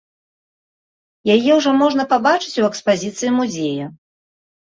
Яе ўжо можна пабачыць у экспазіцыі музея.